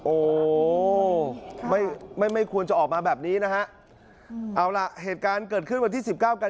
โอ้โหไม่ไม่ควรจะออกมาแบบนี้นะฮะเอาล่ะเหตุการณ์เกิดขึ้นวันที่สิบเก้ากัน